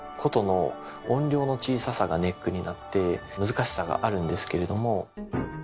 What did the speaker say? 筝の音量の小ささがネックになって難しさがあるんですけれども。